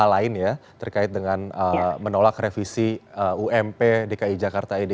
hal lain ya terkait dengan menolak revisi ump dki jakarta ini